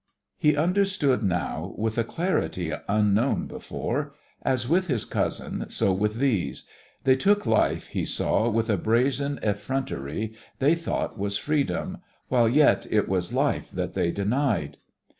He understood now with a clarity unknown before. As with his cousin, so with these. They took life, he saw, with a brazen effrontery they thought was freedom, while yet it was life that they denied.